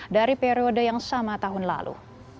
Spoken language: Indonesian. dari periode yang sama tahun lalu